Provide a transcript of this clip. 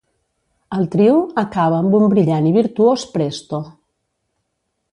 El trio acaba amb un brillant i virtuós Presto.